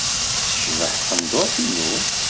Tecbeḥ tqendurt-inu?